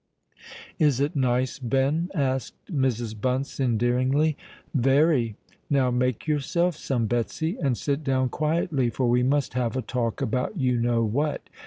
"Is it nice, Ben?" asked Mrs. Bunce endearingly. "Very. Now make yourself some, Betsy; and sit down quietly, for we must have a talk about you know what.